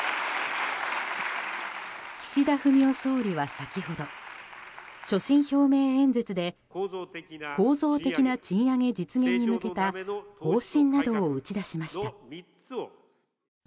岸田文雄総理は先ほど所信表明演説で構造的な賃上げ実現に向けた方針などを打ち出しました。